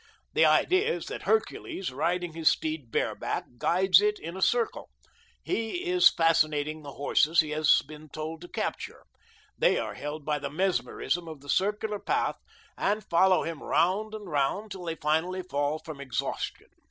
The idea is that Hercules, riding his steed bareback, guides it in a circle. He is fascinating the horses he has been told to capture. They are held by the mesmerism of the circular path and follow him round and round till they finally fall from exhaustion.